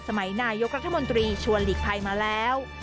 นายกรัฐมนตรีชวนหลีกภัยมาแล้ว